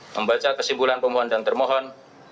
membaca kesimpulan pemohon dan termohon